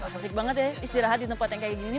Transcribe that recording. musik banget ya istirahat di tempat yang kayak gini